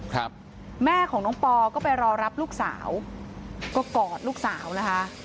ครับแม่ของน้องปอก็ไปรอรับลูกสาวก็กอดลูกสาวนะคะ